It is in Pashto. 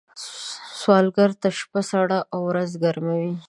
سوالګر ته شپه سړه او ورځ ګرمه وي